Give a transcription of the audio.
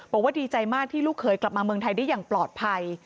บอกว่าดีใจมากที่ลูกเขยกลับมาเมืองไทยได้อย่างปลอดภัย